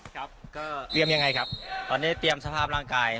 ครับก็เตรียมยังไงครับตอนนี้เตรียมสภาพร่างกาย